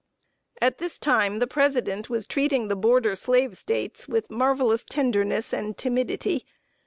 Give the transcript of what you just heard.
At this time the President was treating the border slave States with marvelous tenderness and timidity.